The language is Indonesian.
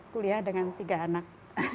kuliah dengan tiga anak